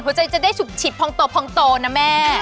จะได้ฉุกฉิบพองโตพองโตนะแม่